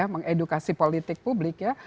mengedukasi politik publik ya